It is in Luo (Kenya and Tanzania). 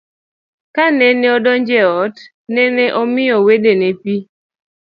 Kanene odonjo e ot, nene omiyo wendone pii